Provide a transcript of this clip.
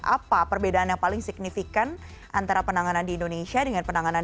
apa perbedaan yang paling signifikan antara penanganan di indonesia dengan penanganan